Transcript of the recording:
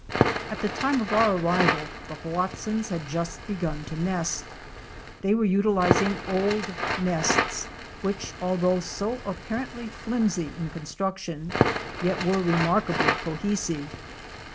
At the time of our arrival the Hoatzins had just begun to nest. They were utilizing old nests which, although so apparently flimsy in construction, yet were remarkably cohe sive.